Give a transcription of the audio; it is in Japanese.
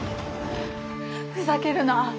ふざけるな。